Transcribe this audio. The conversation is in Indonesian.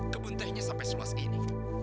kebun tehnya sampai seluas ini